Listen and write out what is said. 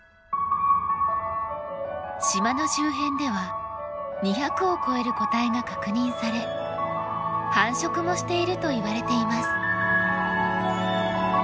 島の周辺では２００を超える個体が確認され繁殖もしているといわれています。